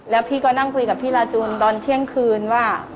แล้วพี่ก็นั่งคุยกับพี่ลาจูนตอนเที่ยงคืนว่า